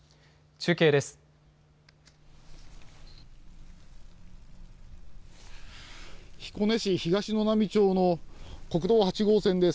中継です。